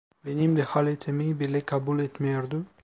Benim dehaletimi bile kabul etmiyordu.